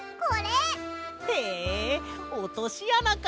へえおとしあなか。